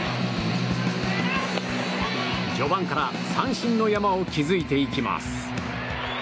序盤から三振の山を築いていきます。